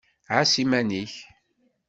Ɛass iman-ik.